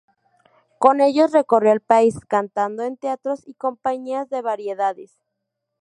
Con ellos recorrió el país, cantando en teatros y compañías de variedades.